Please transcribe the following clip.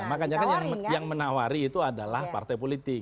makanya kan yang menawari itu adalah partai politik